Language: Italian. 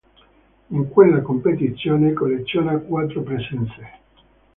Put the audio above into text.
In quella competizione colleziona quattro presenze.